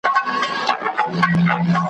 دا له کومو جنتونو یې راغلی `